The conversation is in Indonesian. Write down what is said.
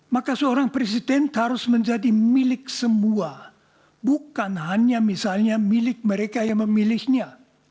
maka seorang presiden harus menjadi milik semua bukan hanya misalnya milik mereka yang memilihnya